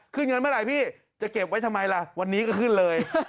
ขึ้นเงินเมื่อไหร่พี่จะเก็บไว้ทำไมล่ะวันนี้ก็ขึ้นเลย